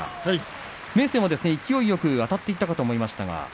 明生も勢いよくあたっていったかと思いましたが。